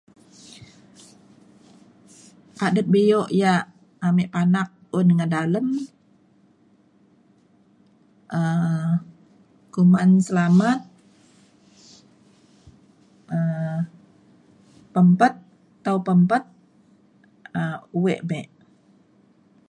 adet bi'uk ya' amik panak un ngedalem um kuman selamat um pempet tau pempet um we' mik.